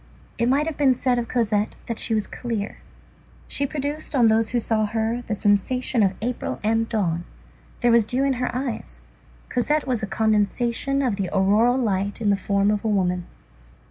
It might have been said of Cosette that she was clear. She produced on those who saw her the sensation of April and dawn. There was dew in her eyes. Cosette was a condensation of the auroral light in the form of a woman.